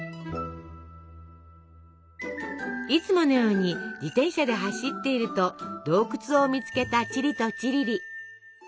いつものように自転車で走っていると洞窟を見つけたチリとチリリ。